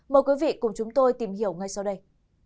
mời quý vị cùng chúng tôi tìm hiểu ngay sau đây